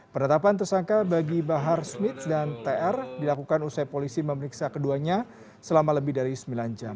penetapan tersangka bagi bahar smith dan tr dilakukan usai polisi memeriksa keduanya selama lebih dari sembilan jam